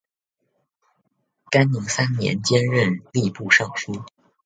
干宁三年兼任吏部尚书。